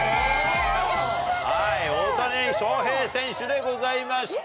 はい大谷翔平選手でございました。